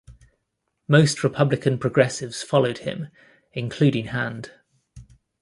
Most Republican progressives followed him, including Hand.